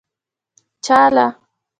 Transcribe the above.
چا له.